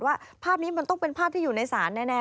ว่าภาพนี้มันต้องเป็นภาพที่อยู่ในศาลแน่